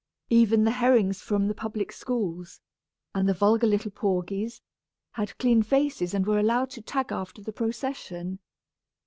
Even the herrings from the public schools, and the vulgar little porgies, had clean faces and were allowed to tag after the procession.